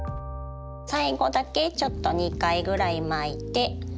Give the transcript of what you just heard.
最後だけちょっと２回ぐらい巻いて。